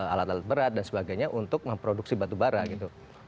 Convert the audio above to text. alat alat berat dan sebagainya untuk memproduksi batubara gitu